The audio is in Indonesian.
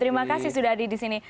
terima kasih sudah hadir di sini